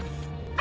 あ！